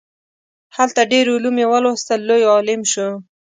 هلته ډیر علوم یې ولوستل لوی عالم شو.